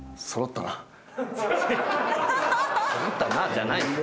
「揃ったな」じゃない。